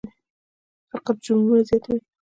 فقر جرمونه زیاتوي.